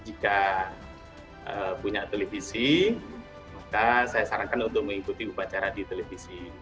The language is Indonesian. jika punya televisi maka saya sarankan untuk mengikuti upacara di televisi